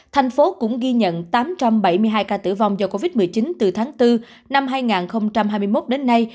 thành phố cũng ghi nhận tám trăm bảy mươi hai ca tử vong do covid một mươi chín từ tháng bốn năm hai nghìn hai mươi một đến nay